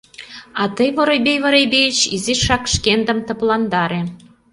А тый, Воробей Воробеич, изишак шкендым тыпландаре.